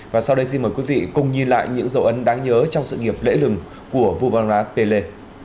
và sau đây xin mời quý vị cùng nhìn lại những dấu ấn đáng nhớ trong sự nghiệp lễ lừng của vua bóng đá pele